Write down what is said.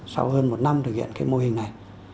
sau hơn một năm thực hiện cái mô hình này